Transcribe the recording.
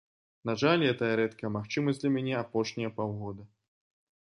На жаль, гэта рэдкая магчымасць для мяне апошнія паўгода.